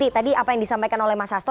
tadi apa yang disampaikan oleh mas hasto